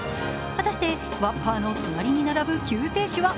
果たしてワッパーの隣に並ぶ救世主は